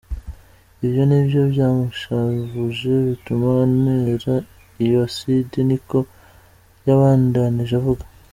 "Ivyo ni vyo vyamushavuje bituma antera iyo aside," niko yabandanije avuga.